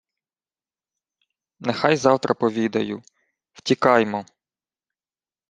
— Нехай завтра повідаю. Втікаймо.